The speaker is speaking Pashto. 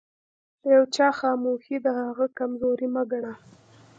د يوچا خاموښي دهغه کمزوري مه ګنه